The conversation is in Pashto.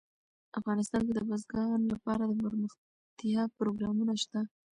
افغانستان کې د بزګان لپاره دپرمختیا پروګرامونه شته.